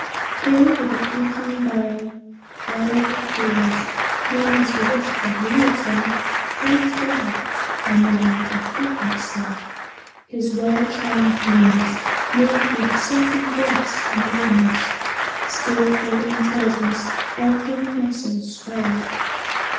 Here with a creaking barrow, piled with tools Keen as the wit that wields them, hurries by A man of different stamp. His well trained limbs Move with a certain grace and readiness, Skilful intelligence every muscle swaying.